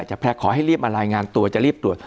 ขอให้รีบมารายงานตัวจะรีบตรวจ